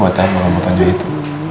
buat apa kamu tanya itu